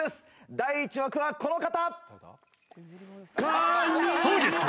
第１枠はこの方。